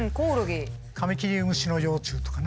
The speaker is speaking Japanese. カミキリムシの幼虫とかね。